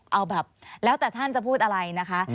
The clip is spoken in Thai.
เอาแบบแล้วแต่ท่านจะพูดอะไรนะคะ